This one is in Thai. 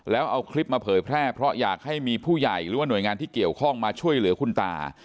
แล้วเอาคลิปมาเผยแพร่เพราะอยากให้มีผู้ใหญ่หรือว่าหน่วยงานที่เกี่ยวข้องมาช่วยเหลือคุณตา